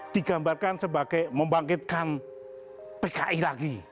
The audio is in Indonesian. digambarkan sebagai membangkitkan pki lagi